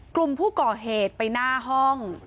กลุ่มผู้ก่อเหตุไปหน้าห้อง